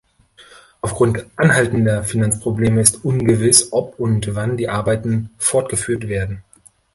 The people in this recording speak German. Aufgrund anhaltender Finanzprobleme ist ungewiss, ob und wann die Arbeiten fortgeführt werden.